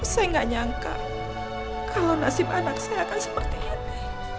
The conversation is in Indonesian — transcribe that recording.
saya nggak nyangka kalau nasib anak saya akan seperti hati